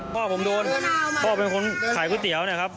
พ่อผมโดนพ่อเป็นคนขายก๋วยเตี๋ยวเนี่ยครับ